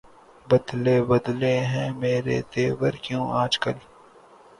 بدلے بدلے ہیں میرے تیور کیوں آج کل